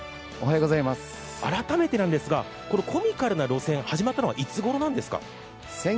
改めてなんですが、コミカルな路線始まったのはいつごろなんですか？